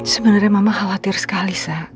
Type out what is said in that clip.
sebenernya mama khawatir sekali sa